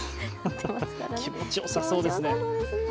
気持ちよさそうですね。